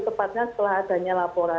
tepatnya setelah adanya laporan